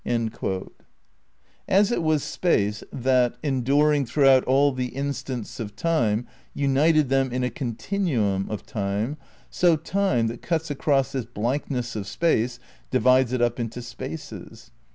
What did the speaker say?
' As it was Space that, enduring throughout all the instants of Time, united them in a continuum of time, so Time, that cuts across this blankness of Space, divides it up into spaces.